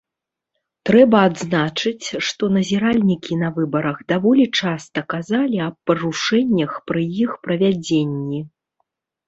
Трэба адзначыць, што назіральнікі на выбарах даволі часта казалі аб парушэннях пры іх правядзенні.